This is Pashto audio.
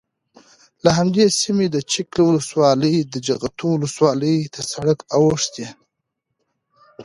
له همدې سیمې د چک له ولسوالۍ د جغتو ولسوالۍ ته سرک اوښتی،